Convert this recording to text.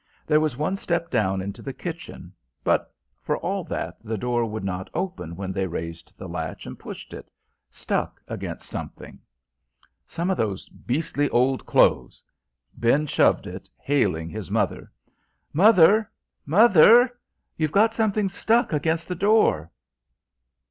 There was one step down into the kitchen; but for all that, the door would not open when they raised the latch and pushed it, stuck against something. "Some of those beastly old clothes!" Ben shoved it, hailing his mother. "Mother! Mother, you've got something stuck against the door."